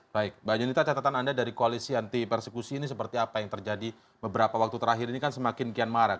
baik mbak yunita catatan anda dari koalisi anti persekusi ini seperti apa yang terjadi beberapa waktu terakhir ini kan semakin kian marak